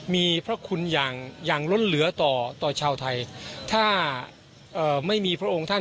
มีพระคุณอย่างอย่างล้นเหลือต่อต่อชาวไทยถ้าไม่มีพระองค์ท่าน